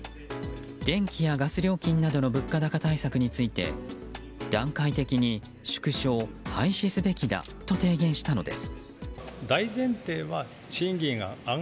電気やガス料金などの物価高対策について段階的に縮小・廃止すべきだと提言したのです。